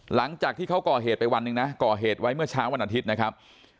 หลังจากที่เขาก่อเหตุไปวันหนึ่งนะก่อเหตุไว้เมื่อเช้าวันอาทิตย์นะครับ